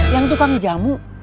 yang tukang jamu